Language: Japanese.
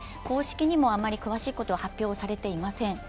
公式にもあまり詳しいことは発表されていません。